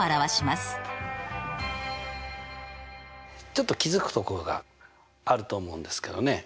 ちょっと気付くところがあると思うんですけどね。